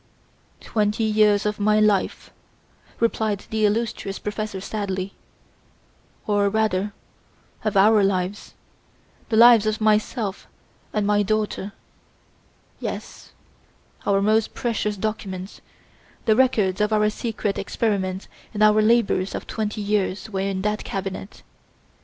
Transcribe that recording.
"Twenty years of my life," replied the illustrious professor sadly, "or rather of our lives the lives of myself and my daughter! Yes, our most precious documents, the records of our secret experiments and our labours of twenty years were in that cabinet.